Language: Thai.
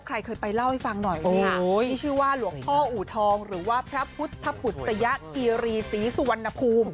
ใครเคยไปเล่าให้ฟังหน่อยนี่ชื่อว่าหลวงพ่ออูทองหรือว่าพระพุทธผุศยคีรีศรีสุวรรณภูมิ